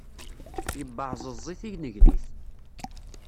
Yebeɛẓeẓẓi tinnegnit.